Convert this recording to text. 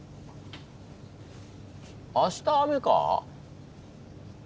明日雨か。